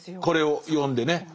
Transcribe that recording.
これを読んでね。